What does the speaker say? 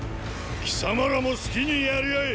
貴様らも好きに戦り合え。